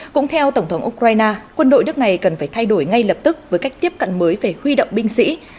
cũng theo tổng thống ukraine quân đội nước này cần phải thay đổi ngay lập tức với cách tiếp cận mới về huy động binh sĩ